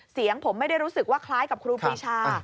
เสียงผมไม่ได้รู้สึกว่าคล้ายกับครูปรีชา